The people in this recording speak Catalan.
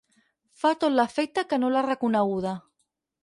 Fa tot l'efecte que no l'ha reconeguda.